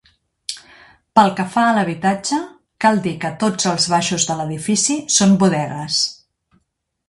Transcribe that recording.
Pel que fa a l'habitatge cal dir que tots els baixos de l'edifici són bodegues.